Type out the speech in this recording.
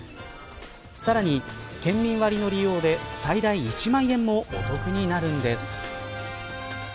さらに、県民割の利用で最大１万円もお得になるんです。